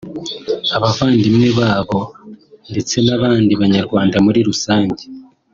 abavandimwe babo ndetse n’abandi Banyarwanda muri rusange